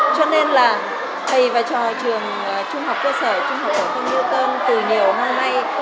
cho nên là thầy và trò trường trung học cơ sở trung học của thông như tân từ nhiều hôm nay